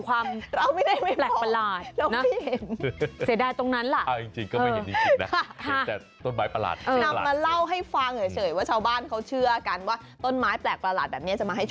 ว่ากันไปนะครับ